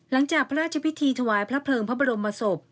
หลังจากพระราชพิธีถวายพระเพลิงพระบรมศพ